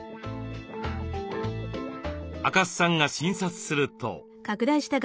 赤須さんが診察すると。